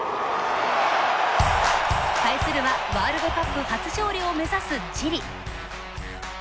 対するはワールドカップ初勝利を目指すチリ。